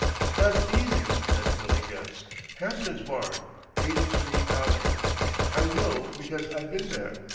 "That's easy," said Billy Getz. "Hampton's barn Eighth Street alley. I know, because I've been there.